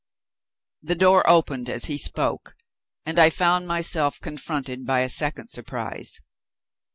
The door opened as he spoke, and I found myself confronted by a second surprise.